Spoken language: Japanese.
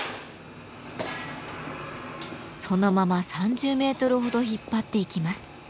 そのまま３０メートルほど引っ張っていきます。